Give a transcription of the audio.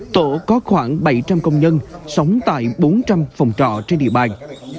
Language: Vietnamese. tổ có khoảng bảy trăm linh công nhân sống tại bốn trăm linh phòng trọ trên địa bàn